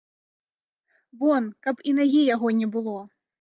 Вон, каб і нагі яго не было!